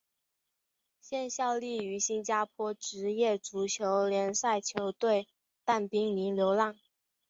现效力于新加坡职业足球联赛球队淡滨尼流浪。